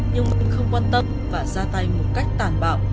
nhưng không quan tâm và ra tay một cách tàn bạo